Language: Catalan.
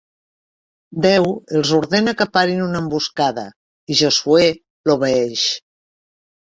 Déu els ordena que parin una emboscada i Josuè l'obeeix.